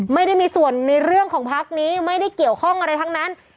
ไม่ได้มีส่วนในเรื่องของพักนี้ไม่ได้เกี่ยวข้องอะไรทั้งนั้น